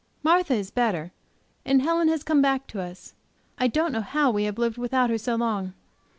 Martha is better, and Helen has come back to us. I don't know how we have lived without her so long.